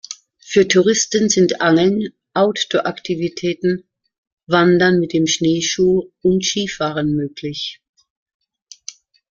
Für Touristen sind Angeln, Outdoor-Aktivitäten, Wandern mit dem Schneeschuh und Skifahren möglich.